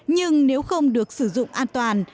nhưng nếu không được sử dụng an toàn